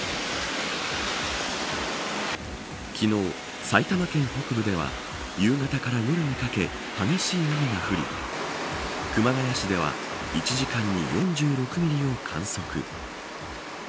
昨日、埼玉県北部では夕方から夜にかけ激しい雨が降り熊谷市では１時間に４６ミリを観測。